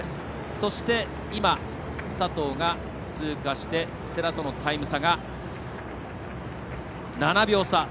そして、佐藤が通過して世羅とのタイム差が７秒差。